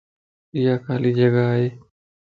ايا خالي جڳا ائي